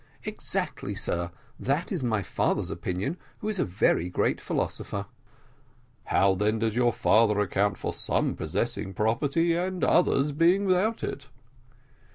"Exactly, sir, that is my father's opinion, who is a very great philosopher." "How then does your father account for some possessing property and others being without it?"